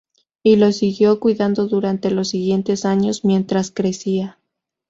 Y lo siguió cuidando durante los siguientes años mientras crecía.